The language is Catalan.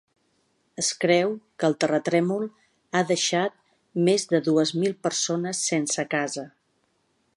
Es creu que el terratrèmol ha deixat més de dues mil persones sense casa.